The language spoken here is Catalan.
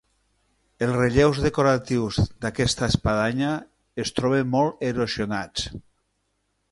Els relleus decoratius d'aquesta espadanya es troben molt erosionats.